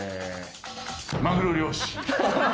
マグロ漁師。